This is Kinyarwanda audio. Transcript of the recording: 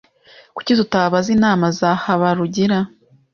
Kuki tutabaza inama za Habarugira?